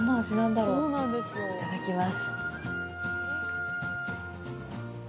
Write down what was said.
いただきます。